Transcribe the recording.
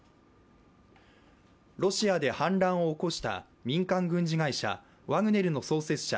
ロシアで反乱を起こした民間軍事会社ワグネルの創設者